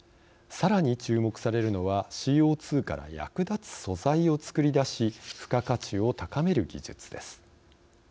さらに注目されるのはＣＯ２から役立つ素材を作り出し付加価値を高める技術です。